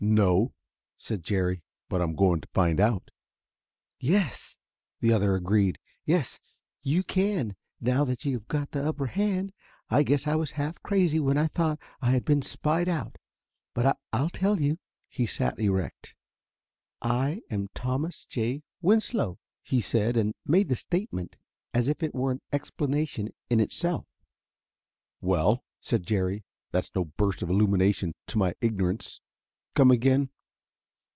"No," said Jerry; "but I'm going to find out." "Yes," the other agreed. "Yes, you can, now that you've got the upper hand. I guess I was half crazy when I thought I had been spied out. But I'll tell you." He sat erect. "I am Thomas J. Winslow," he said, and made the statement as if it were an explanation in itself. "Well," said Jerry, "that's no burst of illumination to my ignorance. Come again."